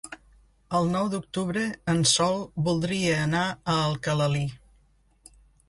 El nou d'octubre en Sol voldria anar a Alcalalí.